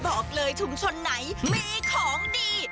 บอกเลยชุมชนไหนมีของดี